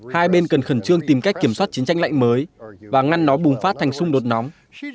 hai bên cần khẩn trương tìm cách kiểm soát chiến tranh lạnh mới và ngăn nó bùng phát thành xung đột nóng